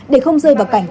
để không rơi vào cảnh